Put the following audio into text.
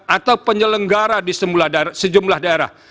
atau penyelenggara di sejumlah daerah